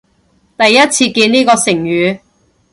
第一次見呢個成語